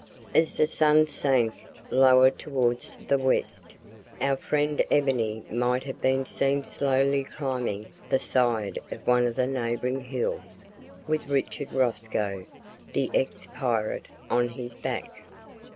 As the sun sank lower towards the west, our friend Ebony might have been seen slowly climbing the side of one of the neighbouring hills with Richard Rosco, the ex pirate, on his back.